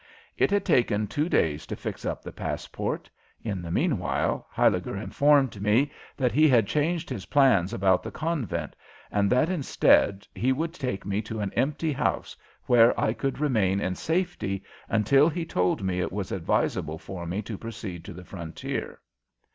It had taken two days to fix up the passport. In the mean while, Huyliger informed me that he had changed his plans about the convent, and that instead he would take me to an empty house where I could remain in safety until he told me it was advisable for me to proceed to the frontier.